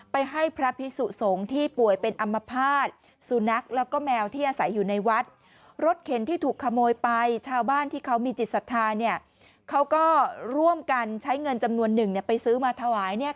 ให้พระพิสุสงฆ์ที่ป่วยเป็นอัมพาตสุนัขแล้วก็แมวที่อาศัยอยู่ในวัดรถเข็นที่ถูกขโมยไปชาวบ้านที่เขามีจิตศรัทธาเนี่ยเขาก็ร่วมกันใช้เงินจำนวนหนึ่งไปซื้อมาถวายเนี่ย